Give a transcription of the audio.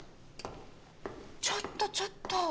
ちょっとちょっと。